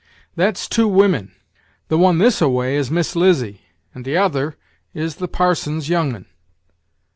"That's two women; the one this a way is Miss 'Lizzy, and t'other is the parson's young'un."